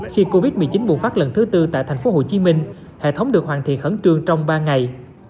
khi covid một mươi chín bùng phát lần thứ tư tại thành phố hồ chí minh hệ thống được hoàn thiện hẳn trương trong ba ngày